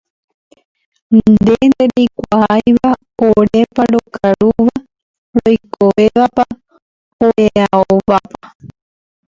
nde ndereikuaáiva orépa rokarúva, roikovẽvapa, oreaóvapa